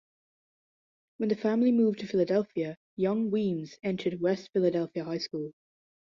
When the family moved to Philadelphia, young Weems entered West Philadelphia High School.